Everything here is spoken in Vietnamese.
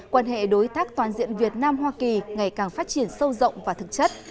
quan hệ đối tác toàn diện việt nam hoa kỳ ngày càng phát triển sâu rộng và thực chất